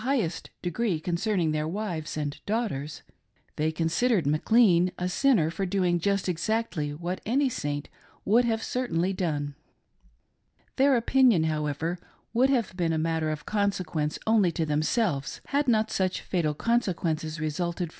highest degree concerning their wives and daughters, they considered McLean a sinner for doing just exactly what any Saint would have certainly done. Their opinion, however, would have been a matter of consequence only to themselves, had not such fatal consequences resulted 326 THE ENEMY TO BE "CUT OFF."